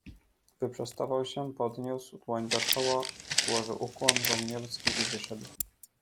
"Wyprostował się, podniósł dłoń do czoła, złożył ukłon żołnierski i wyszedł."